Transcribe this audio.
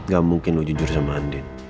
gak mungkin mau jujur sama andin